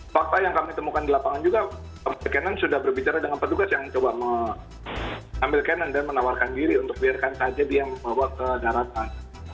fakta yang kami temukan di lapangan juga pemilik cannon sudah berbicara dengan petugas yang coba mengambil cannon dan menawarkan diri untuk biarkan saja dia membawa ke daratan